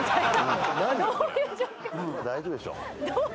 大丈夫でしょう。